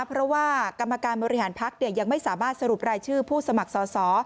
เพราะว่ากรรมการบริหารพักยังไม่สามารถสรุปรายชื่อผู้สมัครสอสอ